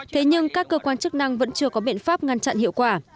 thế nhưng các cơ quan chức năng vẫn chưa có biện pháp ngăn chặn hiệu quả